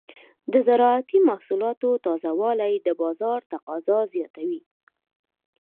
د زراعتي محصولاتو تازه والي د بازار تقاضا زیاتوي.